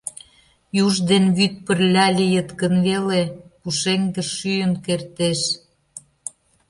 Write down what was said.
Юж ден вӱд пырля лийыт гын веле, пушеҥге шӱйын кертеш.